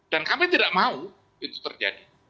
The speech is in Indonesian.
dan kami tidak mau itu terjadi